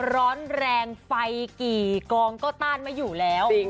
ร้อนแรงไฟกี่กองก็ต้านไม่อยู่แล้ว